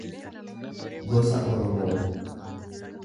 gosa Oromoo.